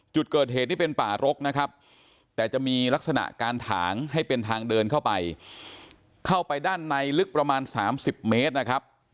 จุดเกิดเหตุนี่เป็นป่ารกนะครับแต่จะมีลักษณะการถางให้เป็นทางเดินเข้าไปเข้าไปด้านในลึกประมาณ๓๐เมตรนะครับ